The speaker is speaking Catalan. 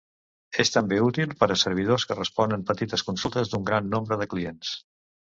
És també útil per a servidors que responen petites consultes d'un gran nombre de clients.